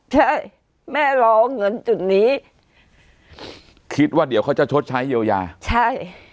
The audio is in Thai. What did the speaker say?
ใช่แม่รอเงินจุดนี้คิดว่าเดี๋ยวเขาจะชดใช้เยียวยาใช่